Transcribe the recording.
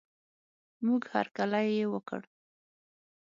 موږ هر کلی یې وکړ.